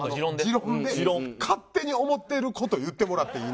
持論で勝手に思っている事言ってもらっていいので。